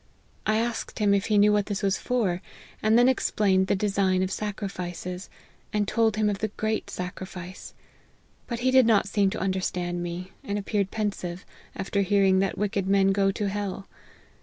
I asked him if he knew what this was for, and then explained the design of sacrifices ; and told him of the great sacrifice , but he did not seem to understand me, and ap peared pensive, after hearing that wicked men go to hell.